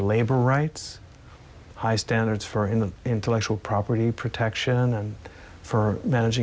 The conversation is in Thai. ทางการตรวจชีวิตปกป้องและการการความบนในการที่นื่น